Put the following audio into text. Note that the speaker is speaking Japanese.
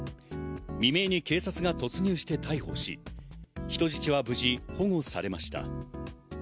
未明に警察が突入して逮捕し、人質は無事保護されました。